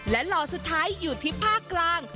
และหล่อสุดท้ายอยู่ที่ภาคกลาง